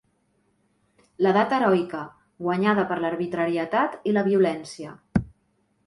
L'edat heroica, guanyada per l'arbitrarietat i la violència.